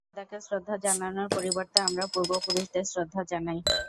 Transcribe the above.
খোদাকে শ্রদ্ধা জানানোর পরিবর্তে আমরা পূর্বপুরুষদের শ্রদ্ধা জানাই।